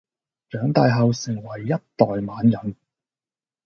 長大後成為一代猛人